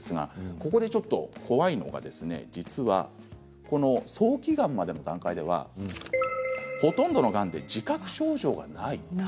ここでちょっと怖いのは実は早期がんまでの段階ではほとんどのがんで自覚症状がないんです。